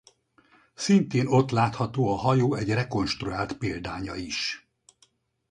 Szintén ott látható a hajó egy rekonstruált példánya is.